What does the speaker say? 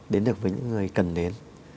đến được với những người cần đến